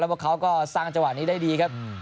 แล้วว่าเขาก็สร้างจังหวัดนี้ได้ดีครับ